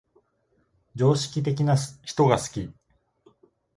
常識的な人が好き